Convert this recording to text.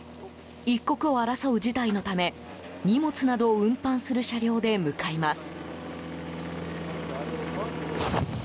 一刻を争う事態のため荷物などを運搬する車両で向かいます。